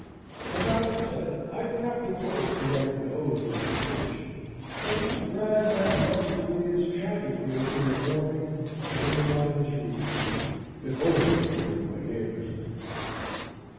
As I have said, I do not propose to write an ode to dejection, but to brag as lustily as chanticleer in the morning, standing on his roost, if only to wake my neighbors up.